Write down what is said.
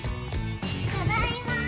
ただいまー！